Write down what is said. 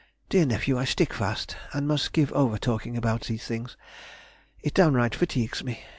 Dear nephew, I stick fast, and must give over talking about these things; it downright fatigues me.